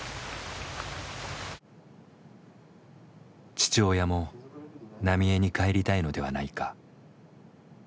父親も浪江に帰りたいのではないか。